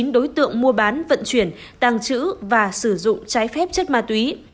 một trăm linh chín đối tượng mua bán vận chuyển tàng trữ và sử dụng trái phép chất ma túy